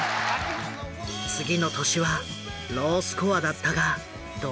次の年はロースコアだったが同志社に勝利。